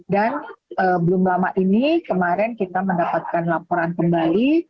dan belum lama ini kemarin kita mendapatkan laporan kembali